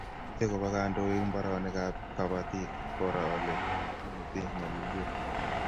Mache koba kandoik mbaronik ab kabatik koro ole mito nyalilwek